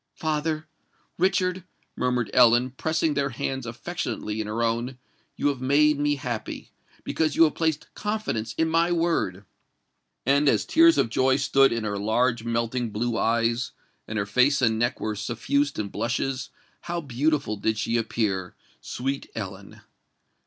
"Father—Richard," murmured Ellen, pressing their hands affectionately in her own, "you have made me happy—because you have placed confidence in my word!" And as tears of joy stood in her large melting blue eyes, and her face and neck were suffused in blushes, how beautiful did she appear—sweet Ellen!